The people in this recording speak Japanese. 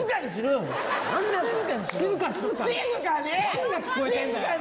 何が聞こえてんだよ！